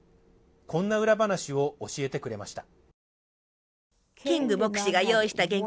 こんな裏話を教えてくれました。